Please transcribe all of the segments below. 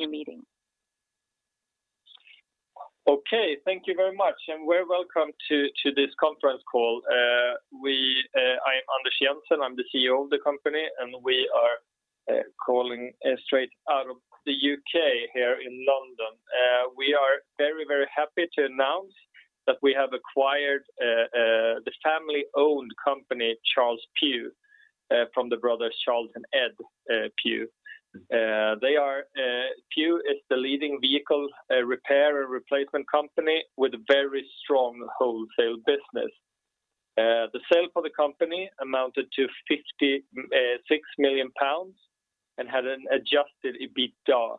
Your meeting. Okay, thank you very much, and you're welcome to this conference call. I'm Anders Jensen, I'm the CEO of the company, and we are calling straight out of the U.K. here in London. We are very, very happy to announce that we have acquired the family-owned company Charles Pugh Holdings from the brothers Charles and Ed Pugh. Pugh is the leading vehicle repair and replacement company with a very strong wholesale business. The sale for the company amounted to 56 million pounds and had an adjusted EBITDA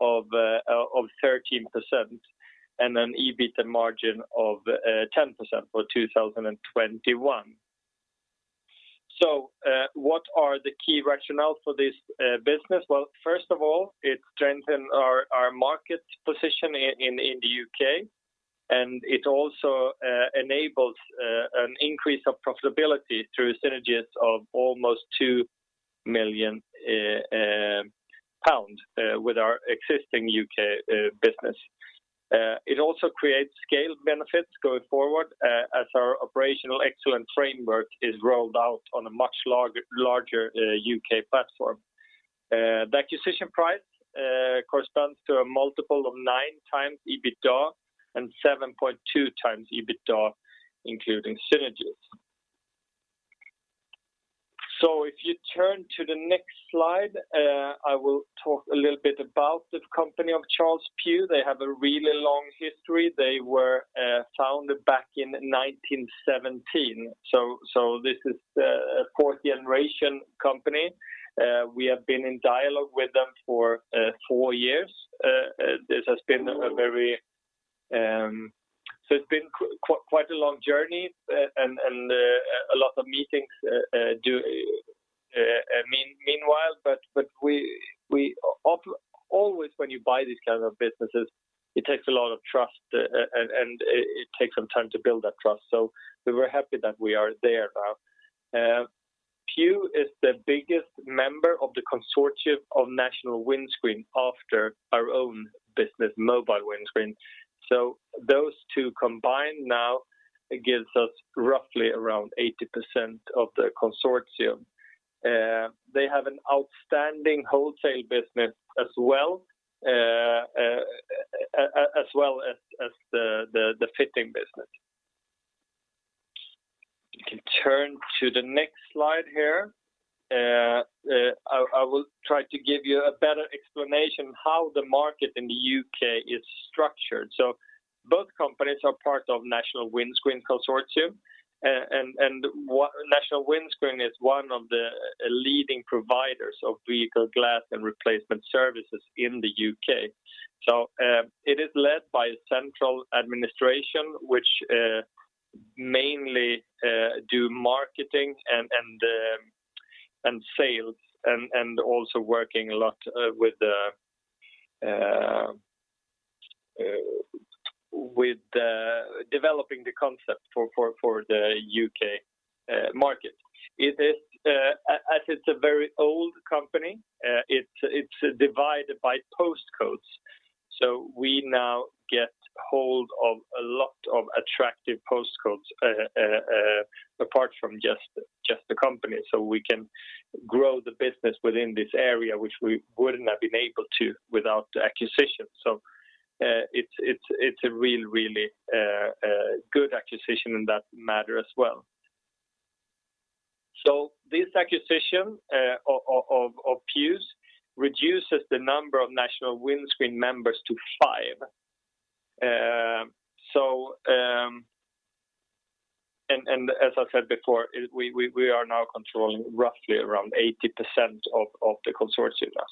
of 13% and an EBITDA margin of 10% for 2021. What are the key rationales for this business? Well, first of all, it strengthens our market position in the U.K., and it also enables an increase of profitability through synergies of almost 2 million pounds with our existing U.K. business. It also creates scale benefits going forward as our operational excellence framework is rolled out on a much larger U.K. platform. The acquisition price corresponds to a multiple of 9x EBITDA and 7.2x EBITDA, including synergies. If you turn to the next slide, I will talk a little bit about the company of Charles Pugh. They have a really long history. They were founded back in 1917. This is a fourth-generation company. We have been in dialogue with them for four years. It's been quite a long journey and a lot of meetings meanwhile. Always, when you buy these kinds of businesses, it takes a lot of trust, and it takes some time to build that trust. We're happy that we are there now. Pugh is the biggest member of the consortium of National Windscreens after our own business, Mobile Windscreens. Those two combined now give us roughly around 80% of the consortium. They have an outstanding wholesale business as well as the fitting business. You can turn to the next slide here. I will try to give you a better explanation of how the market in the U.K. is structured. Both companies are part of National Windscreens Consortium, and National Windscreens is one of the leading providers of vehicle glass and replacement services in the U.K. It is led by a central administration which mainly does marketing and sales and also works a lot with developing the concept for the U.K. market. As it's a very old company, it's divided by postcodes. We now get hold of a lot of attractive postcodes apart from just the company. We can grow the business within this area, which we wouldn't have been able to without the acquisition. It's a really, really good acquisition in that matter as well. This acquisition of Pugh's reduces the number of National Windscreens members to five. As I said before, we are now controlling roughly around 80% of the consortium now.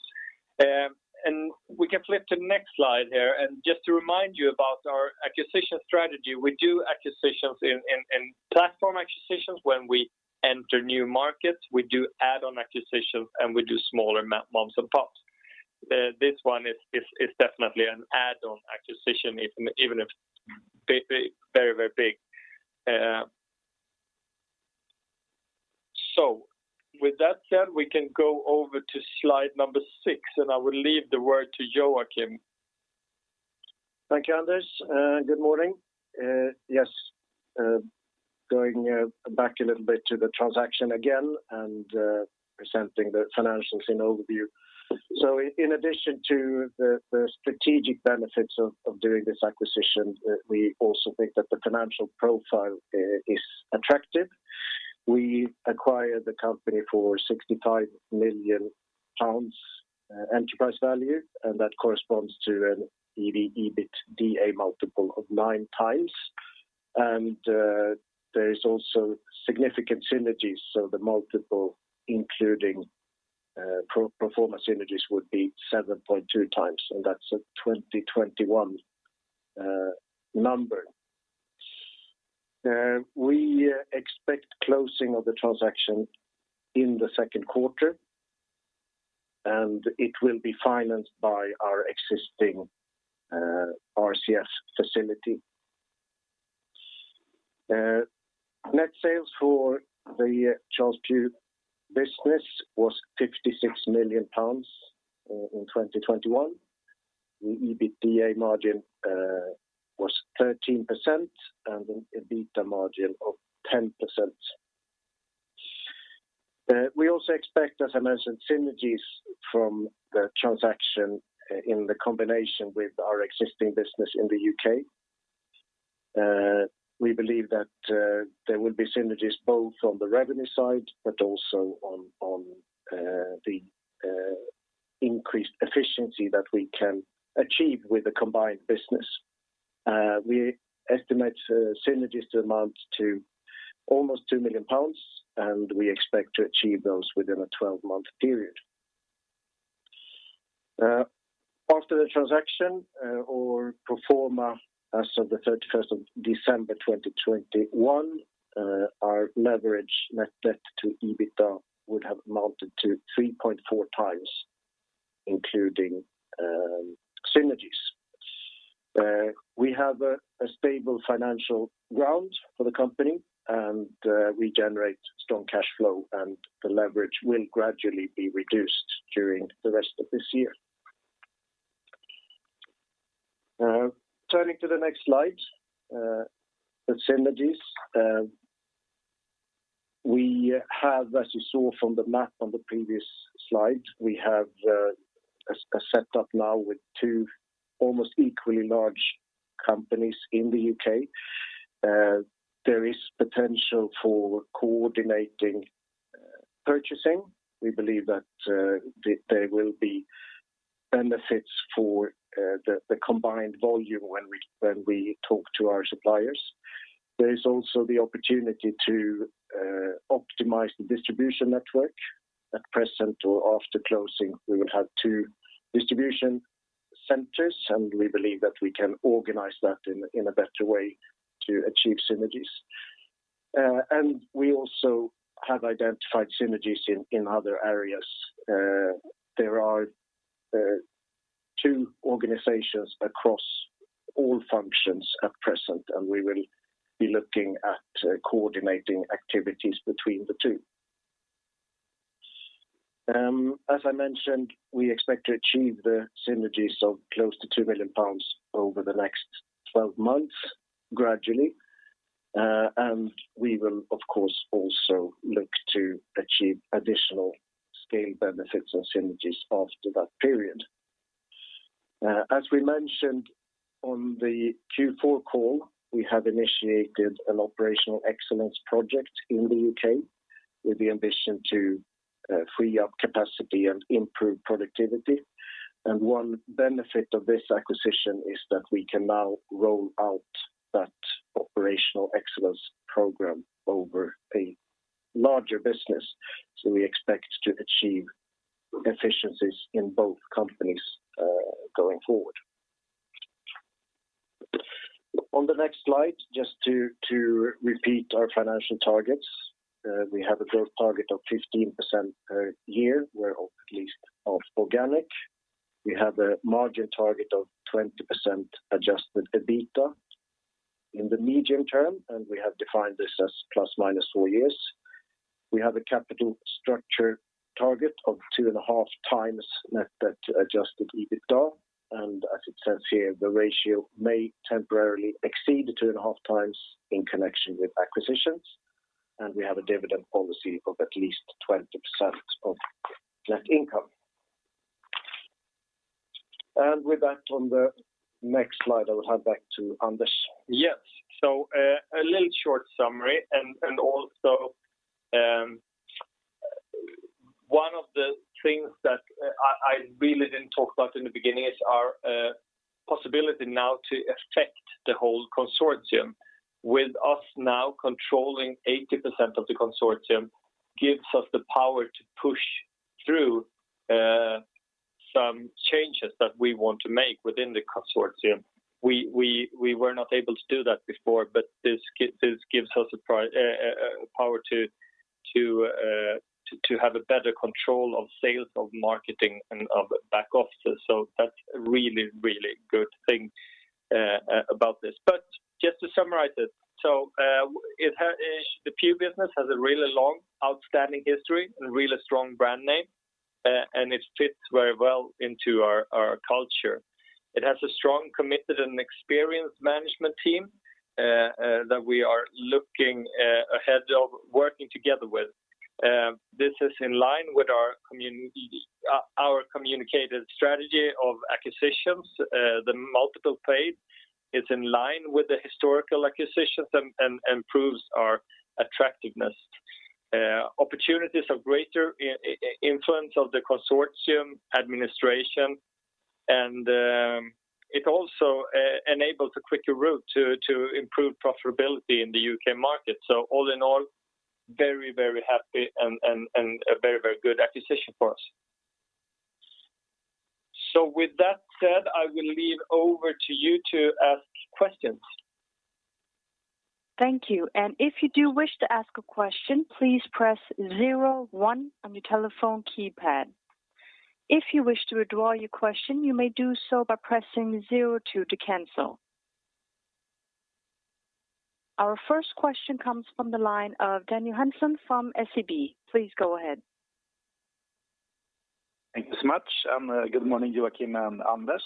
We can flip to the next slide here. Just to remind you about our acquisition strategy, we do acquisitions in platform acquisitions when we enter new markets. We do add-on acquisitions, and we do smaller mums and pops. This one is definitely an add-on acquisition, even if very, very big. With that said, we can go over to slide number six, and I will leave the word to Joakim. Thank you, Anders. Good morning. Yes, going back a little bit to the transaction again and presenting the financials in overview. In addition to the strategic benefits of doing this acquisition, we also think that the financial profile is attractive. We acquired the company for 65 million pounds enterprise value, and that corresponds to an EBITDA multiple of 9x. There is also significant synergies. The multiple, including performance synergies, would be 7.2x, and that's a 2021 number. We expect closing of the transaction in the second quarter, and it will be financed by our existing RCF facility. Net sales for the Charles Pugh business was 56 million pounds in 2021. The EBITDA margin was 13% and an EBITDA margin of 10%. We also expect, as I mentioned, synergies from the transaction in combination with our existing business in the U.K. We believe that there will be synergies both on the revenue side but also on the increased efficiency that we can achieve with the combined business. We estimate synergies to amount to almost 2 million pounds, and we expect to achieve those within a 12-month period. After the transaction is performed as of the 31st of December 2021, our leverage, net debt to EBITDA would have amounted to 3.4x, including synergies. We have a stable financial ground for the company, and we generate strong cash flow, and the leverage will gradually be reduced during the rest of this year. Turning to the next slide, the synergies. As you saw from the map on the previous slide, we have a setup now with two almost equally large companies in the U.K. There is potential for coordinating purchasing. We believe that there will be benefits for the combined volume when we talk to our suppliers. There is also the opportunity to optimize the distribution network. At present or after closing, we will have two distribution centers, and we believe that we can organize that in a better way to achieve synergies. We also have identified synergies in other areas. There are two organizations across all functions at present, and we will be looking at coordinating activities between the two. As I mentioned, we expect to achieve the synergies of close to 2 million pounds over the next 12 months, gradually. We will, of course, also look to achieve additional scale benefits and synergies after that period. As we mentioned on the Q4 call, we have initiated an Operational Excellence project in the U.K. with the ambition to free up capacity and improve productivity. One benefit of this acquisition is that we can now roll out that Operational Excellence program over a larger business. We expect to achieve efficiencies in both companies going forward. On the next slide, just to repeat our financial targets, we have a growth target of 15% per year. We aim for at least 15% organic. We have a margin target of 20% adjusted EBITDA in the medium term, and we have defined this as ±4 years. We have a capital structure target of 2.5x net debt to adjusted EBITDA. As it says here, the ratio may temporarily exceed 2.5x in connection with acquisitions. We have a dividend policy of at least 20% of net income. With that, on the next slide, I will hand back to Anders. Yes. A little short summary. Also, one of the things that I really didn't talk about in the beginning is our possibility now to affect the whole consortium. With us now controlling 80% of the consortium, it gives us the power to push through some changes that we want to make within the consortium. We were not able to do that before, but this gives us the power to have a better control of sales, of marketing, and of back office. That's a really, really good thing about this. Just to summarize it, so the Pugh business has a really long, outstanding history, a really strong brand name, and it fits very well into our culture. It has a strong, committed, and experienced management team that we are looking forward to working together with. This is in line with our communicated strategy of acquisitions. The multiple phase is in line with the historical acquisitions and proves our attractiveness. Opportunities are greater influence of the consortium administration, and it also enables a quicker route to improve profitability in the U.K. market. All in all, very, very happy and a very, very good acquisition for us. With that said, I will hand over to you to ask questions. Thank you. If you do wish to ask a question, please press zero one on your telephone keypad. If you wish to withdraw your question, you may do so by pressing zero two to cancel. Our first question comes from the line of Daniel Hansen from SEB. Please go ahead. Thank you so much. Good morning, Joakim and Anders.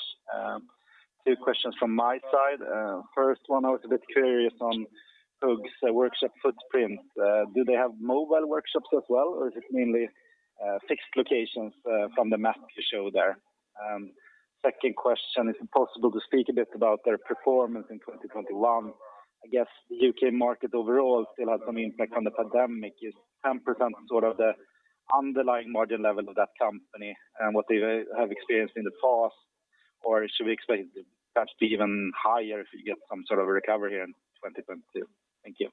Two questions from my side. First one, I was a bit curious on Pugh's workshop footprint. Do they have mobile workshops as well, or is it mainly fixed locations from the map you show there? Second question, is it possible to speak a bit about their performance in 2021? I guess the U.K. market overall still has some impact on the pandemic. Is 10% sort of the underlying margin level of that company and what they have experienced in the past? Or should we expect it to perhaps be even higher if you get some sort of a recovery here in 2022? Thank you.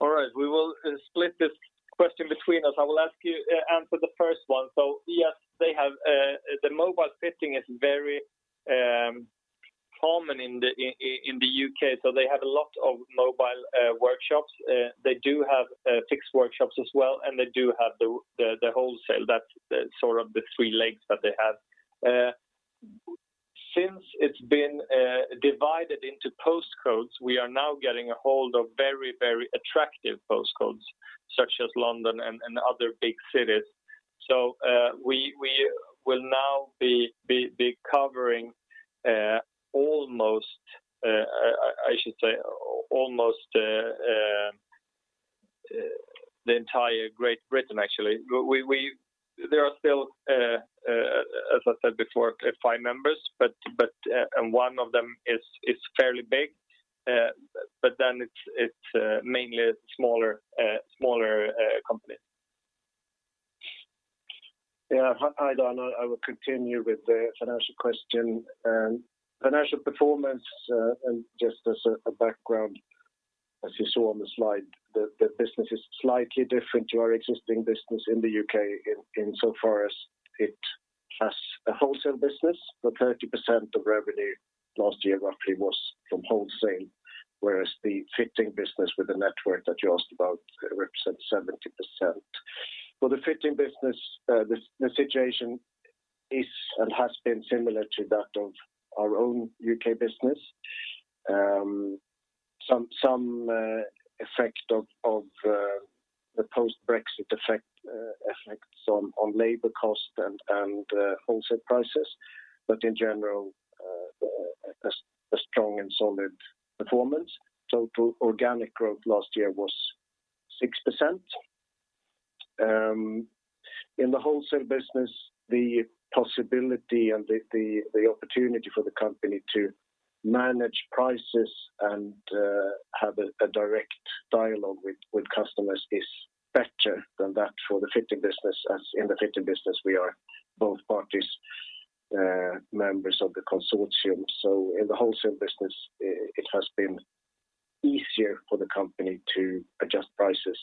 All right. We will split this question between us. I will ask you to answer the first one. Yes, the mobile fitting is very common in the U.K. They have a lot of mobile workshops. They do have fixed workshops as well, and they do have the wholesale. That's sort of the three legs that they have. Since it's been divided into postcodes, we are now getting a hold of very, very attractive postcodes such as London and other big cities. We will now be covering almost, I should say, almost the entire Great Britain, actually. There are still, as I said before, five members, and one of them is fairly big, but then it's mainly smaller companies. Yeah. Hi, Daniel Hansen. I will continue with the financial question. Financial performance, just as a background, as you saw on the slide, the business is slightly different to our existing business in the U.K. insofar as it has a wholesale business. 30% of revenue last year, roughly, was from wholesale, whereas the fitting business with the network that you asked about represents 70%. For the fitting business, the situation is and has been similar to that of our own U.K. business. Some effect of the post-Brexit effects on labor costs and wholesale prices, but in general, a strong and solid performance. Total organic growth last year was 6%. In the wholesale business, the possibility and the opportunity for the company to manage prices and have a direct dialogue with customers is better than that for the fitting business. In the fitting business, we are both party members of the Consortium. In the wholesale business, it has been easier for the company to adjust prices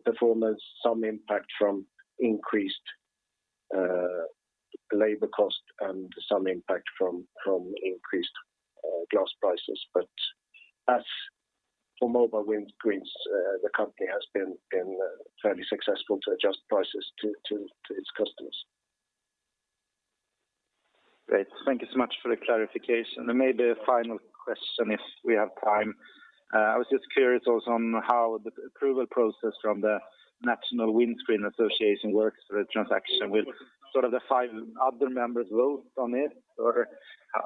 to the customers. All in all, a solid performance, some impact from increased labor costs, and some impact from increased glass prices. For Mobile Windscreens, the company has been fairly successful to adjust prices to its customers. Great. Thank you so much for the clarification. Maybe a final question if we have time. I was just curious also on how the approval process from the National Windscreens Consortium works for the transaction. Will sort of the five other members vote on it, or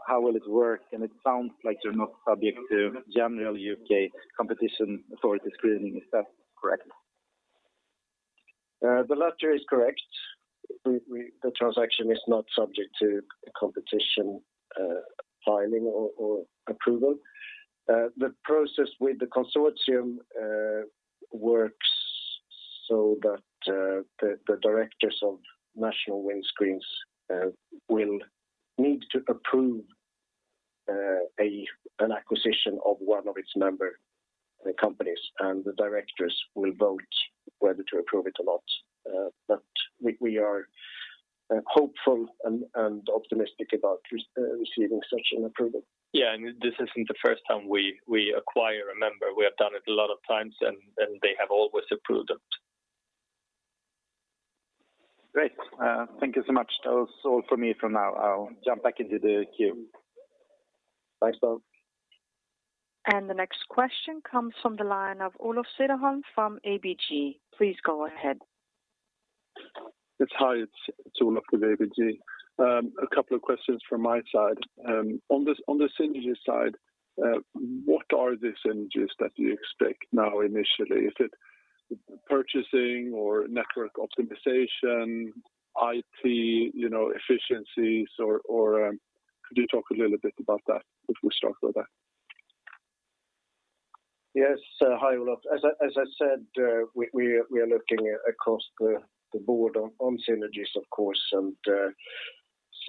how will it work? It sounds like you're not subject to general U.K. competition authority screening. Is that correct? The latter is correct. The transaction is not subject to competition filing or approval. The process with the consortium works so that the directors of National Windscreens will need to approve an acquisition of one of its member companies, and the directors will vote whether to approve it or not. We are hopeful and optimistic about receiving such an approval. Yeah. This isn't the first time we acquire a member. We have done it a lot of times, and they have always approved it. Great. Thank you so much. That was all for me from now. I'll jump back into the queue. Thanks, Daniel. The next question comes from the line of Olof Cederholm from ABG. Please go ahead. Hi. It's Olof with ABG. A couple of questions from my side. On the synergy side, what are the synergies that you expect now initially? Is it purchasing or network optimization, IT efficiencies? Or could you talk a little bit about that if we start with that? Yes. Hi, Olof. As I said, we are looking across the board on synergies, of course.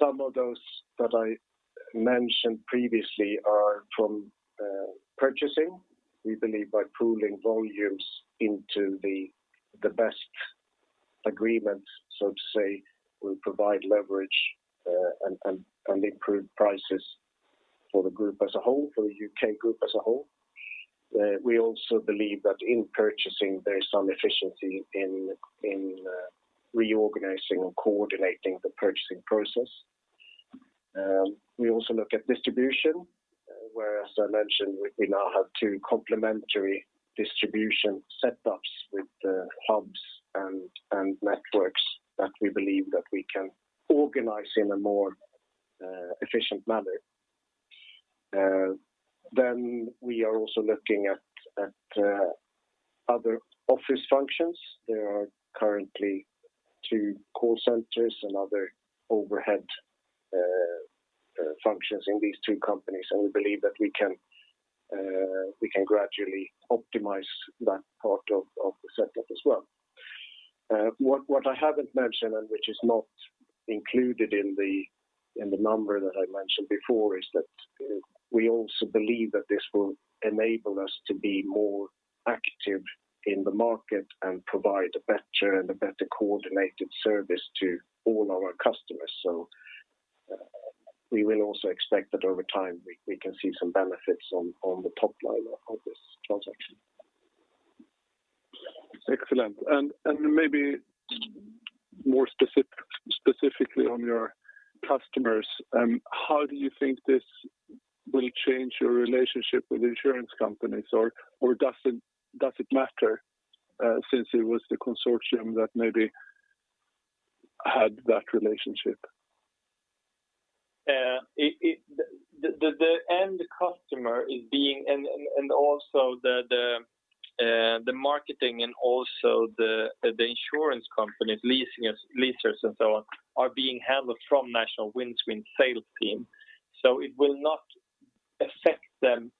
Some of those that I mentioned previously are from purchasing. We believe by pooling volumes into the best agreements, so to say, we'll provide leverage and improve prices for the group as a whole, for the U.K. group as a whole. We also believe that in purchasing, there's some efficiency in reorganizing and coordinating the purchasing process. We also look at distribution, whereas, as I mentioned, we now have two complementary distribution setups with hubs and networks that we believe that we can organize in a more efficient manner. We are also looking at other office functions. There are currently two call centers and other overhead functions in these two companies. We believe that we can gradually optimize that part of the setup as well. What I haven't mentioned and which is not included in the number that I mentioned before is that we also believe that this will enable us to be more active in the market and provide a better coordinated service to all our customers. We will also expect that over time, we can see some benefits on the top line of this transaction. Excellent. Maybe more specifically on your customers, how do you think this will change your relationship with insurance companies, or does it matter since it was the consortium that maybe had that relationship? The end customer is being and also the marketing and also the insurance companies, leasers and so on, are being handled from National Windscreens sales team. It will not affect them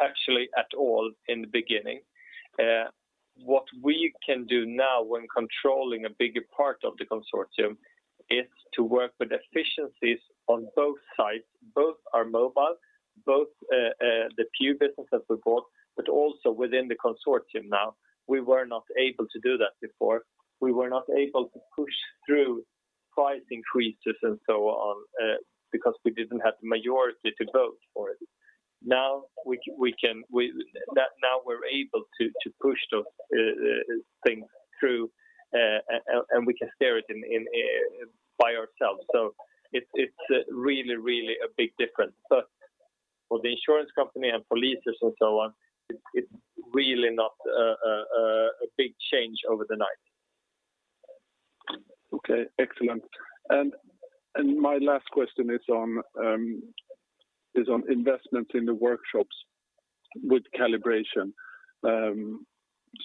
actually at all in the beginning. What we can do now when controlling a bigger part of the consortium is to work with efficiencies on both sides, both our Mobile, both the Pugh business that we bought, but also within the consortium now. We were not able to do that before. We were not able to push through price increases and so on because we didn't have the majority to vote for it. Now we can, we're able to push those things through, and we can steer it by ourselves. It's really, really a big difference. For the insurance company and for leasers and so on, it's really not a big change overnight. Okay. Excellent. My last question is on investments in the workshops with calibration.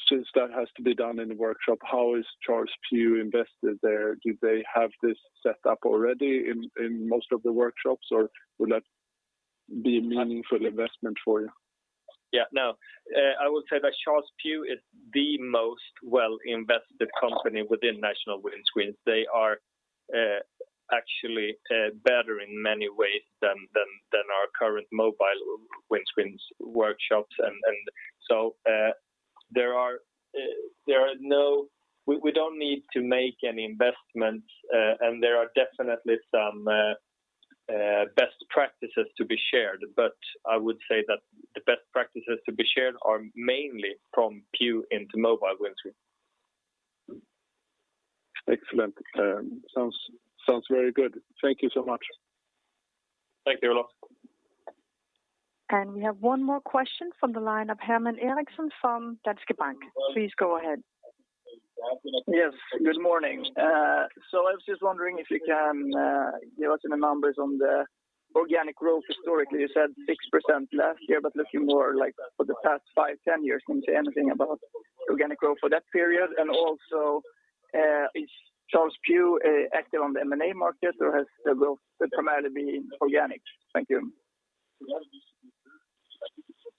Since that has to be done in the workshop, how is Charles Pugh invested there? Do they have this set up already in most of the workshops, or would that be a meaningful investment for you? Yeah. No. I will say that Charles Pugh is the most well-invested company within National Windscreens. They are actually better in many ways than our current Mobile Windscreens workshops. We don't need to make any investments. There are definitely some best practices to be shared. I would say that the best practices to be shared are mainly from Pugh into Mobile Windscreens. Excellent. Sounds very good. Thank you so much. Thank you, Olof. We have one more question from the line of Herman Eriksson from Danske Bank. Please go ahead. Yes. Good morning. I was just wondering if you can give us any numbers on the organic growth historically. You said 6% last year, but looking more for the past five, 10 years, can you say anything about organic growth for that period? And also, is Charles Pugh active on the M&A market, or will it primarily be organic? Thank you.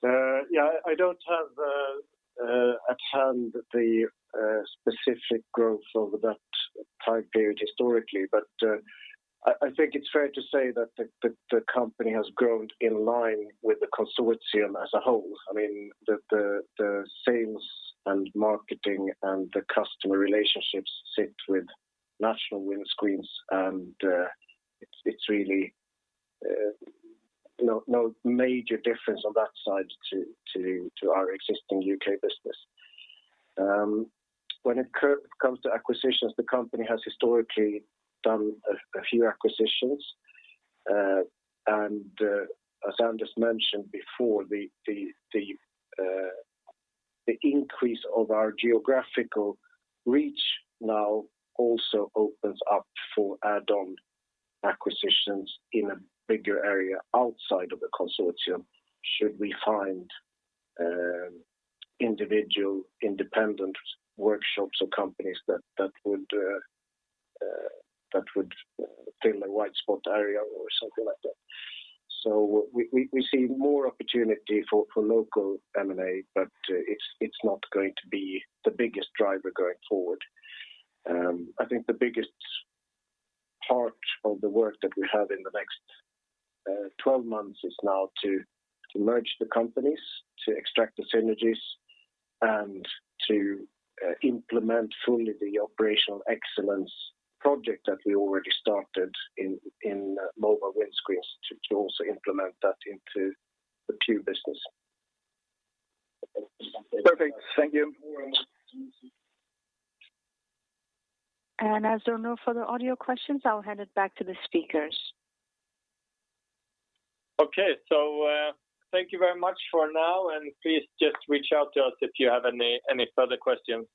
Yeah. I don't have at hand the specific growth over that time period historically, but I think it's fair to say that the company has grown in line with the consortium as a whole. I mean, the sales and marketing and the customer relationships sit with National Windscreens, and it's really no major difference on that side to our existing U.K. business. When it comes to acquisitions, the company has historically done a few acquisitions. As Anders mentioned before, the increase of our geographical reach now also opens up for add-on acquisitions in a bigger area outside of the consortium. Should we find individual, independent workshops or companies that would fill a white spot area or something like that? We see more opportunity for local M&A, but it's not going to be the biggest driver going forward. I think the biggest part of the work that we have in the next 12 months is now to merge the companies, to extract the synergies, and to implement fully the operational excellence project that we already started in Mobile Windscreens, to also implement that into the Pugh business. Perfect. Thank you. As there are no further audio questions, I'll hand it back to the speakers. Okay. Thank you very much for now, and please just reach out to us if you have any further questions.